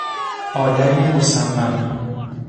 آدمی مصمم